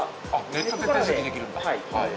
ネットで手続きできるんだ。